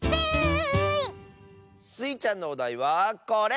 スイちゃんのおだいはこれ！